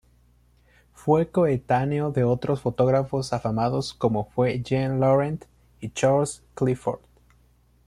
Fue coetáneo de otros fotógrafos afamados como fue Jean Laurent y Charles Clifford.